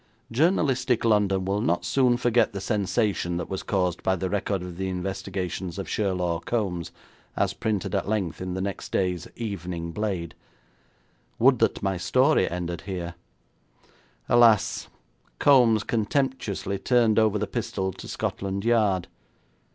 Journalistic London will not soon forget the sensation that was caused by the record of the investigations of Sherlaw Kombs, as printed at length in the next day's Evening Blade. Would that my story ended here. Alas! Kombs contemptuously turned over the pistol to Scotland Yard.